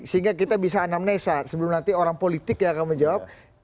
sehingga kita bisa anamnesa sebelum nanti orang politik yang akan menjawab